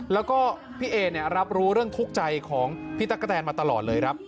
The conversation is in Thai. แล้วก็พี่เอเนี่ยรับรู้เรื่องทุกข์ใจของพี่ตั๊กกะแตนมาตลอดเลยครับ